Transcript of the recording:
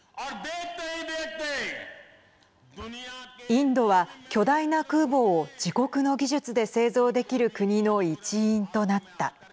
インドは巨大な空母を自国の技術で製造できる国の一員となった。